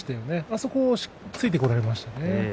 あそこを突いてこられましたよね。